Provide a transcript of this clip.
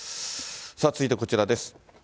続いてこちらです。